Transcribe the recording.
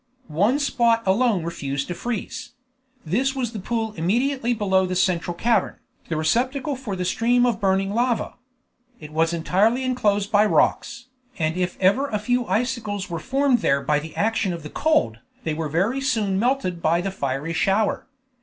One spot alone refused to freeze; this was the pool immediately below the central cavern, the receptacle for the stream of burning lava. It was entirely enclosed by rocks, and if ever a few icicles were formed there by the action of the cold, they were very soon melted by the fiery shower.